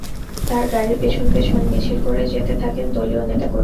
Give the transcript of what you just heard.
তাঁর গাড়ির পেছন পেছন মিছিল করে যেতে থাকেন দলীয় নেতা কর্মীরা।